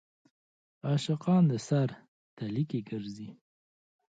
عاشقان د سر تلي کې ګرځي.